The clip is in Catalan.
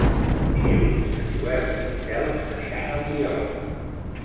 Dilluns en Joel i en Telm aniran a Oliola.